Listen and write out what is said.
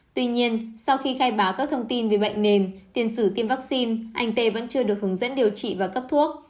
tuy nhiên sau khi khai báo các thông tin về bệnh nền tiền sử tiêm vaccine anh tê vẫn chưa được hướng dẫn điều trị và cấp thuốc